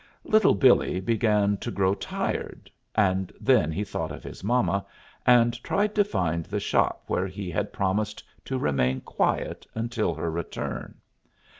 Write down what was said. Little Billee began to grow tired; and then he thought of his mama, and tried to find the shop where he had promised to remain quiet until her return.